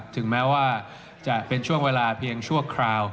ถึงแม้ว่าจะเป็นช่วงเวลาเพียงชั่วคราว